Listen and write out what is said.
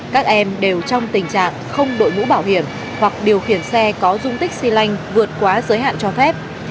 các em đều trong tình trạng không đội mũ bảo hiểm hoặc điều khiển xe có dung tích xy lanh vượt quá giới hạn cho phép